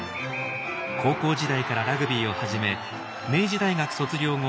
高校時代からラグビーを始め明治大学卒業後